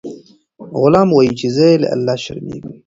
غلام وایي چې زه له الله شرمیږم.